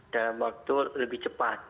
dan waktu lebih cepat